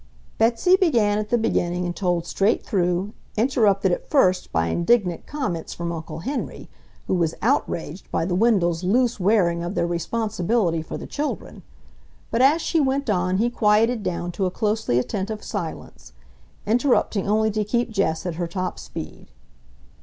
Betsy began at the beginning and told straight through, interrupted at first by indignant comments from Uncle Henry, who was outraged by the Wendells' loose wearing of their responsibility for the children. But as she went on he quieted down to a closely attentive silence, interrupting only to keep Jess at her top speed.